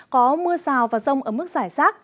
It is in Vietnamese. có mưa rào và rông ở mức giải rác